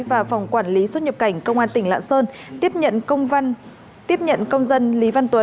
và phòng quản lý xuất nhập cảnh công an tỉnh lạ sơn tiếp nhận công dân lý văn sơn